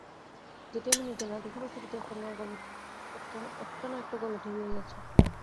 যেটি আমি নিজে না দেখিব সেটিতে একটা-না-একটা গলদ হইয়া আছেই।